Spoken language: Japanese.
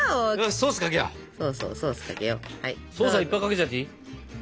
ソースはいっぱいかけちゃっていい？